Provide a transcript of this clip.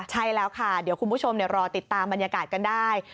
ใช่แล้วค่ะเดี๋ยวคุณผู้ชมรอติดตามบรรยากาศกันได้